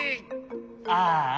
ああ。